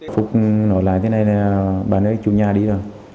phúc nói lại thế này là bà nơi chủ nhà đi rồi